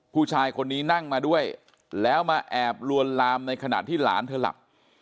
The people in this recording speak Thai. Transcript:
ผู้ชายคนนี้นั่งมาด้วยแล้วมาแอบลวนลามในขณะที่หลานเธอหลับ